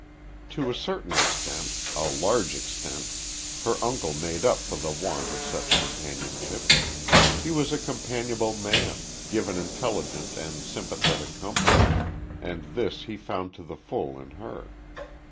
To a certain extent a large extent her uncle made up for the want of such companionship. He was a companionable man, given intelligent and sympathetic company, and this he found to the full in her.